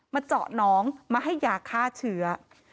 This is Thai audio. เจาะน้องมาให้ยาฆ่าเชื้อ